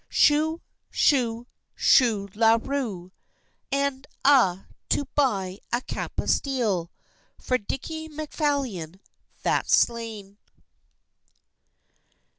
Shoo, shoo, shoolaroo, And a' to buy a cap of steel For Dickie Macphalion that's slain.